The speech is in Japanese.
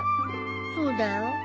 そうだよ。